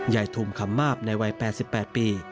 ใหญ่ทุ่มขำมาบในวัย๘๘ปี